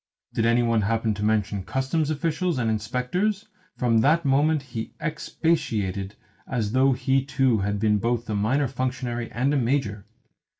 Did any one happen to mention Customs officials and inspectors, from that moment he expatiated as though he too had been both a minor functionary and a major.